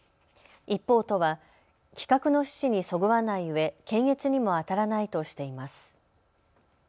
一方、都は企画の趣旨にそぐわないうえ検閲にもあたらないとしています。